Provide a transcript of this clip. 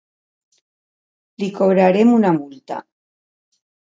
Li cobrarem una multa.